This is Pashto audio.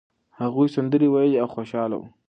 هغوی سندرې ویلې او خوشاله وو.